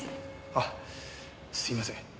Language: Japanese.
あっすいません。